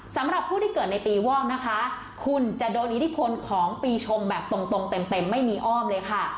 สำหรับผู้ที่เกิดในปีวอกนะคะคุณจะโดนอิทธิพลของปีชงแบบตรงเต็มไม่มีอ้อมเลยค่ะ